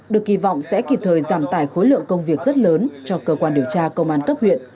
được kỳ vọng sẽ kịp thời giảm tải khối lượng công việc rất lớn cho cơ quan điều tra công an cấp huyện